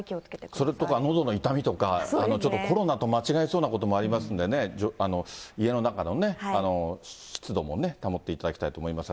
それとか、のどの痛みとか、ちょっとコロナの間違えそうなこともありますんでね、家の中のね、湿度もね、保っていただきたいと思いますが。